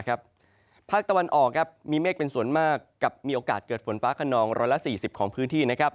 ภาคตะวันออกมีเมฆเป็นส่วนมากกับมีโอกาสเกิดฝนฟ้าขนอง๑๔๐ของพื้นที่